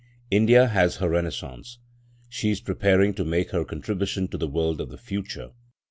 India has her renaissance. She is preparing to make her contribution to the world of the future.